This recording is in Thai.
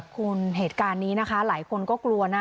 คุณเหตุการณ์นี้นะคะหลายคนก็กลัวนะ